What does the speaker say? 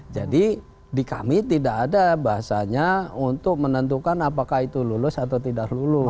jadi di kami tidak ada bahasanya untuk menentukan apakah itu lulus atau tidak lulus